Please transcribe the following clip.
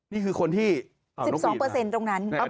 นี่คือคนที่สิบสองเปอร์เซ็นต์ตรงนั้น